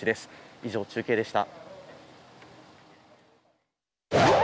以上、中継でした。